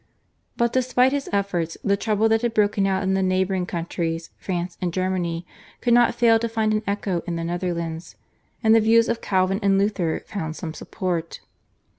But despite his efforts the trouble that had broken out in the neighbouring countries, France and Germany, could not fail to find an echo in the Netherlands, and the views of Calvin and Luther found some support.